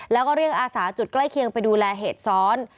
แล้วก็เรียกอาสาจุดใกล้เคียงไปดูแลเหตุซ้อน